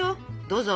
どうぞ！